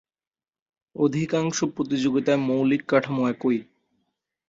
অধিকাংশ প্রতিযোগিতার মৌলিক কাঠামো একই।